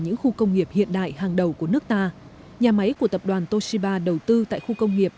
những khu công nghiệp hiện đại hàng đầu của nước ta nhà máy của tập đoàn toshiba đầu tư tại khu công nghiệp